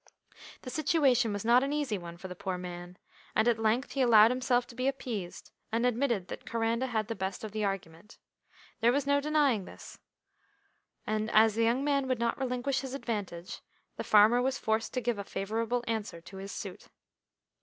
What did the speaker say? The situation was not an easy one for the poor man, and at length he allowed himself to be appeased, and admitted that Coranda had the best of the argument. There was no denying this, and as the young man would not relinquish his advantage, the farmer was forced to give a favourable answer to his suit.